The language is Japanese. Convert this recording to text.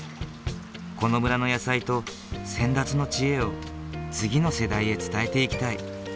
この村の野菜と先達の知恵を次の世代へ伝えていきたい。